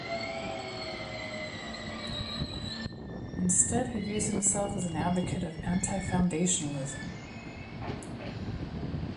Instead he views himself as an advocate of anti-foundationalism.